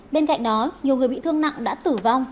bên cạnh đó nhiều người bị thương nặng đã tử vong